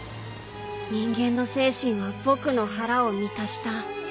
人間の精神は僕の腹を満たした。